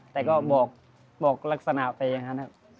แต่ก็บอกลักษณะไปอย่างนั้นครับ